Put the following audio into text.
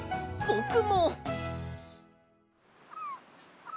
ぼくも！